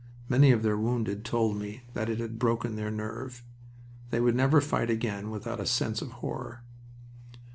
Many of their wounded told me that it had broken their nerve. They would never fight again without a sense of horror.